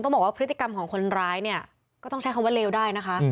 บอกว่าพฤติกรรมของคนร้ายเนี่ยก็ต้องใช้คำว่าเลวได้นะคะ